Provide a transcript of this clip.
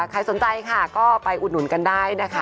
ใครสนใจค่ะก็ไปอุดหนุนกันได้นะคะ